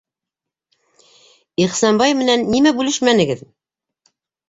Ихсанбай менән нимә бүлешмәнегеҙ?